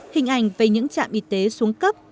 hình ảnh về những trạm y tế xuống cấp